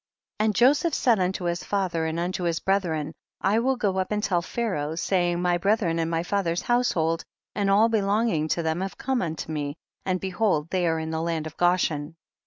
19. And Joseph said unto his fa ther and unto his brethren, I will go up and tell Pharaoh, saying, my bre thren and my father's household and all belonging to them have come unto me, and behold they are in the land of Goshen.